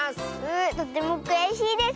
とてもくやしいです。